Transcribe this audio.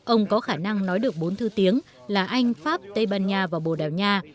ông có khả năng nói được bốn thư tiếng là anh pháp tây ban nha và bầu đào nha